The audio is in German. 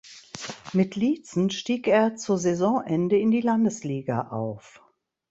Mit Liezen stieg er zu Saisonende in die Landesliga auf.